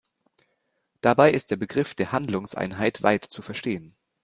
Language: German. Dabei ist der Begriff der Handlungseinheit weit zu verstehen.